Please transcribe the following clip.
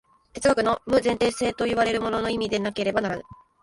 哲学の無前提性といわれるものの意味でなければならぬ。